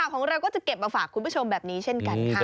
ของเราก็จะเก็บมาฝากคุณผู้ชมแบบนี้เช่นกันค่ะ